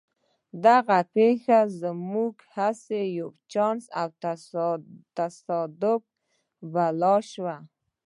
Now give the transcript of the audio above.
دغه پېښه موږ هسې یو چانس او تصادف بللای شو